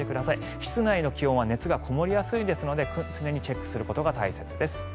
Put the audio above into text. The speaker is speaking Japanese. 室内は気温がこもりやすいので常にチェックすることが大切です。